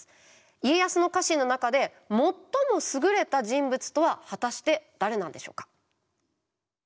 家康の家臣の中で最も優れた人物とは果たして誰なんでしょうか。